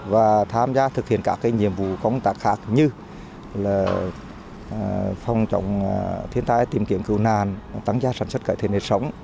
và tham gia thực hiện các nhiệm vụ công tác khác như phòng trọng thiên tài tìm kiếm cứu nàn tăng gia sản xuất cải thiện nền sống